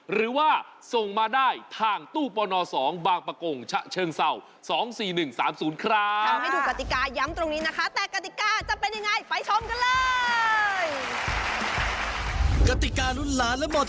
หรือว่าส่งมาได้ทางตู้ปน๒บางประกงชะเชิงเศร้า๒๔๑๓๐ครับ